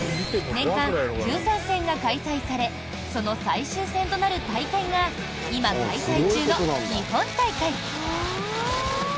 年間１３戦が開催されその最終戦となる大会が今、開催中の日本大会。